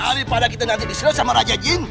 daripada kita nanti disuruh sama raja jin